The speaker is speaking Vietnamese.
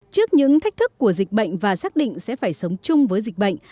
trước những thách thức của dịch bệnh và xác định sẽ phải sống chung với dịch bệnh